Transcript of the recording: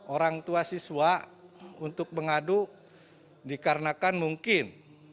orang tua siswa untuk mengadu dikarenakan mungkin